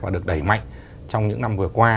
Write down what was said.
và được đẩy mạnh trong những năm vừa qua